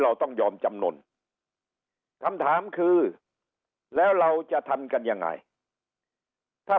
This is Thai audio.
เราต้องยอมจำนวนคำถามคือแล้วเราจะทำกันยังไงถ้า